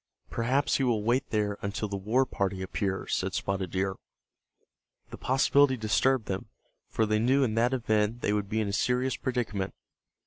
"Perhaps he will wait there until the war party appears," said Spotted Deer. The possibility disturbed them, for they knew in that event they would be in a serious predicament.